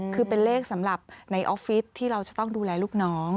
คือเป็นเลขสำหรับในออฟฟิศที่เราจะต้องดูแลลูกน้อง